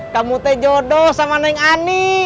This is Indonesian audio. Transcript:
kamu teng jodoh sama neng ani